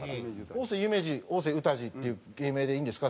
「大瀬ゆめじ大瀬うたじっていう芸名でいいんですか」